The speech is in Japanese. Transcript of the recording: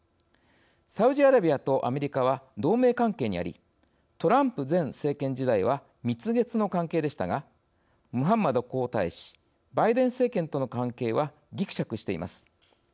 サウジアラビアとアメリカは同盟関係にありトランプ前政権時代は蜜月の関係でしたがムハンマド皇太子バイデン政権との関係はぎくしゃくしています。